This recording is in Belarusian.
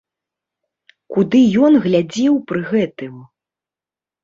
Куды ён глядзеў пры гэтым?